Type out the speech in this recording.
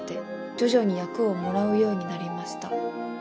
「徐々に役をもらうようになりました」